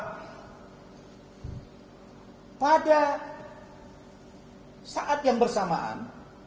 hai pada saat yang bersamaan